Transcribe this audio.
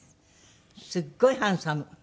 すっごいハンサム。